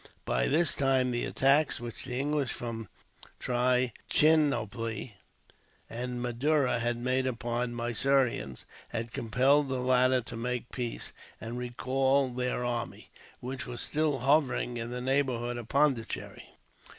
By this time the attacks, which the English from Trichinopoli and Madura had made upon the Mysoreans, had compelled the latter to make peace, and recall their army, which was still hovering in the neighbourhood of Pondicherry.